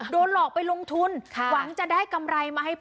โดนหลอกไปลงทุนหวังจะได้กำไรมาให้พ่อ